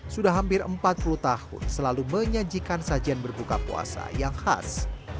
sudah hampir empat puluh tahun selalu menyajikan sajian berbuka puasa yang khas